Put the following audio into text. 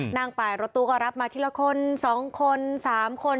นั่งไปรถตู้ก็รับมาทีละคน๒คน๓คน